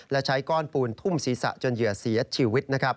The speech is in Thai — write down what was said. และใช้ก้อนปูนทุ่มศีรษะจนเหยื่อเสียชีวิต